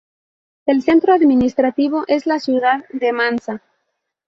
El centro administrativo es la ciudad de Mansa.